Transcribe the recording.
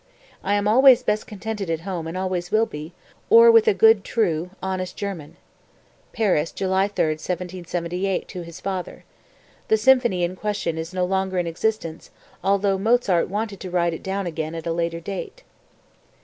I am always best contented at home and always will be, or with a good, true, honest German." (Paris, July 3, 1778, to his father. The symphony in question is no longer in existence, although Mozart wanted to write it down again at a later date.)